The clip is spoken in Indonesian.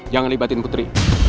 jangan libatin putri